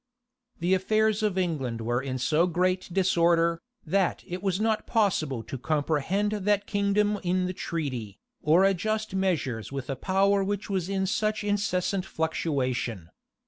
The affairs of England were in so great disorder, that it was not possible to comprehend that kingdom in the treaty, or adjust measures with a power which was in such incessant fluctuation.